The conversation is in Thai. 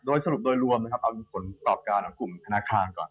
โดยสรุปโดยรวมนะครับเอาผลกรอบการของกลุ่มธนาคารก่อน